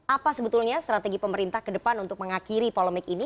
apa sebetulnya strategi pemerintah ke depan untuk mengakhiri polemik ini